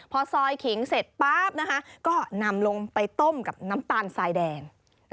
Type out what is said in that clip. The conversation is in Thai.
พอซอยขิงเสร็จป๊าบนะคะก็นำลงไปต้มกับน้ำตาลทรายแดง